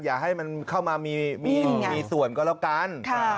อย่าให้มันเข้ามามีส่วนก็แล้วกัน